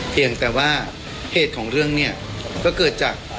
เพียงแต่ว่าเหตุของเรื่องเนี่ยก็เกิดจาก